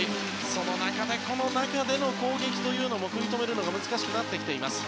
その中でこの中での攻撃を食い止めるのは難しくなっています。